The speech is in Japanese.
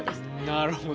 なるほどね。